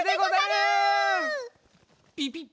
ピピッ。